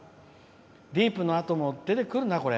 ディープのあとも出てくるな。